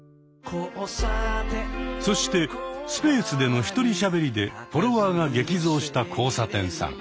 そしてスペースでの１人しゃべりでフォロワーが激増した交差点さん。